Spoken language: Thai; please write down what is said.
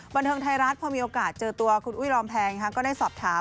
บันเทิงไทยรัฐพอมีโอกาสเจอตัวคุณอุ้ยรอมแพงก็ได้สอบถาม